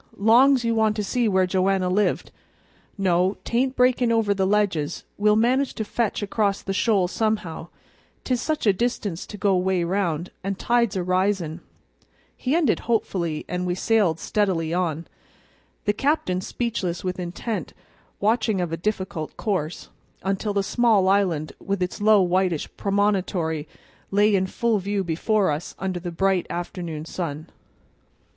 Long's you want to see where Joanna lived No, 'tain't breakin' over the ledges; we'll manage to fetch across the shoals somehow, 'tis such a distance to go 'way round, and tide's a risin'," he ended hopefully, and we sailed steadily on, the captain speechless with intent watching of a difficult course, until the small island with its low whitish promontory lay in full view before us under the bright afternoon sun.